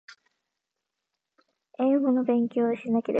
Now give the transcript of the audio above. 英語の勉強をしなければいけない